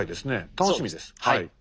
楽しみですはい。